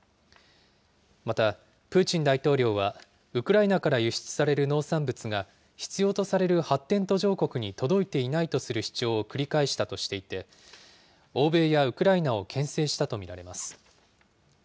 また、プーチン大統領はウクライナから輸出される農産物が、必要とされる発展途上国に届いていないとする主張を繰り返したとしていて、欧米やウクライナをけん制したと見られます。